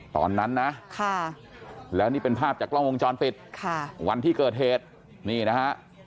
ตอนนั้นนะแล้วนี่เป็นภาพจากกล้องวงจรปิดค่ะวันที่เกิดเหตุนี่นะฮะ